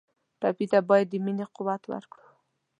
ټپي ته باید د مینې قوت ورکړو.